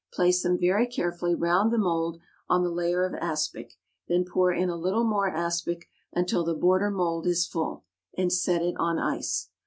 Place them very carefully round the mould on the layer of aspic, then pour in a little more aspic, until the border mould is full, and set it on ice.